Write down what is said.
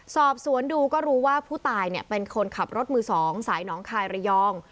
สอบสวนดูก็รู้ว่าผู้ตายเป็นคนขับรถมือ๒สายหนองคายระยอง